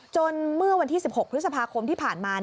เมื่อวันที่๑๖พฤษภาคมที่ผ่านมา